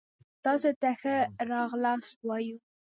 تاسي ته ښه را غلاست وايو